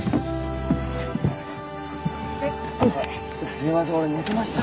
すいません俺寝てました？